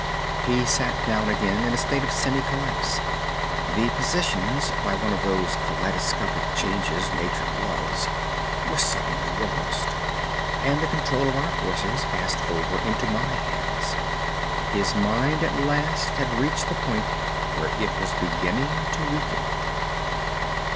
He sat down again in a state of semi collapse. The positions, by one of those kaleidoscopic changes nature loves, were suddenly reversed, and the control of our forces passed over into my hands. His mind at last had reached the point where it was beginning to weaken.